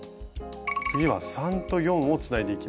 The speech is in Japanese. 次は３と４をつないでいきます。